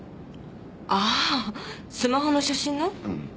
ああスマホの写真の？